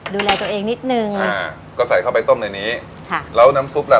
ดูแลตัวเองนิดนึงอ่าก็ใส่เข้าไปต้มในนี้ค่ะแล้วน้ำซุปล่ะ